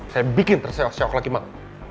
saya bikin tersiawak seiawak lagi malu